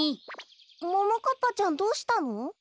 ももかっぱちゃんどうしたの？